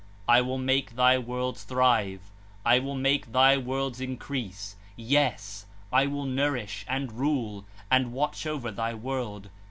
I will make thy worlds thrive, I will make thy worlds increase. Yes! I will nourish, and rule, and watch over thy world.